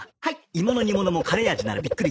イモの煮物もカレー味ならびっくり